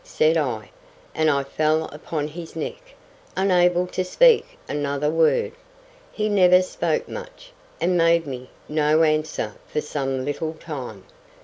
said I, and I fell upon his neck, unable to speak another word. He never spoke much, and made me no answer for some little time.